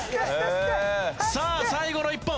さあ最後の１本！